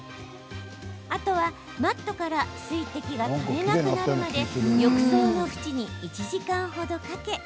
あとは、マットから水滴が垂れなくなるまで浴槽の縁に１時間ほどかけ